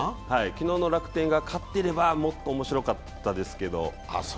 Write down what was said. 昨日の楽天が勝っていればもっと面白かったですけど。